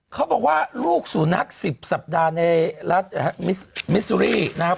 เขาบอกว่าลูกสูนัก๑๐สัปดาห์ในรัฐมิซูรีนะครับ